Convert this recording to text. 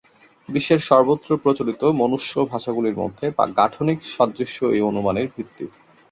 বিশ্বের সর্বত্র প্রচলিত মনুষ্য ভাষাগুলির মধ্যে গাঠনিক সাদৃশ্য এই অনুমানের ভিত্তি।